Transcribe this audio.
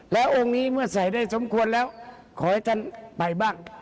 แล้วองค์นี้เมื่อใส่ได้สมควรแล้วขอให้ท่านไปบ้าง